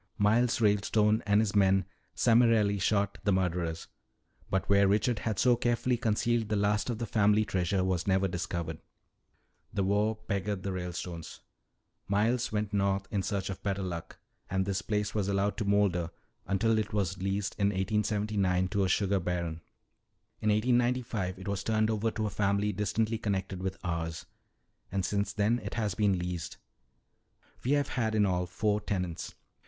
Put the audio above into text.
Miles Ralestone and his men summarily shot the murderers. But where Richard had so carefully concealed the last of the family treasure was never discovered. "The war beggared the Ralestones. Miles went north in search of better luck, and this place was allowed to molder until it was leased in 1879 to a sugar baron. In 1895 it was turned over to a family distantly connected with ours. And since then it has been leased. We have had in all four tenants."